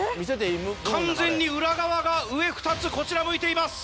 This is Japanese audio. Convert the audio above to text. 完全に裏側が上２つこちら向いています。